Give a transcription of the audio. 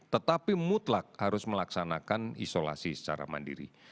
tetapi mutlak harus melaksanakan isolasi secara mandiri